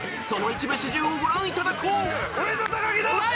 ［その一部始終をご覧いただこう！］